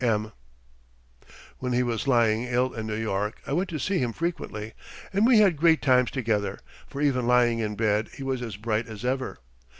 M. When he was lying ill in New York I went to see him frequently, and we had great times together, for even lying in bed he was as bright as ever.